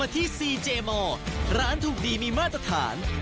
ที่ซีเจมอร์ร้านถูกดีมีมาตรฐาน